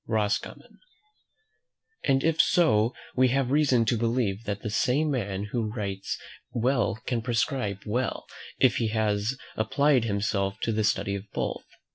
ROSCOMMON. And if so, we have reason to believe that the same man who writes well can prescribe well, if he has applied himself to the study of both.